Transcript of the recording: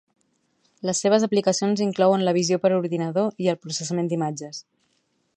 Les seves aplicacions inclouen la visió per ordinador i el processament d'imatges